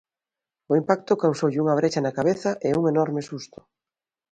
O impacto causoulle unha brecha na cabeza e un enorme susto.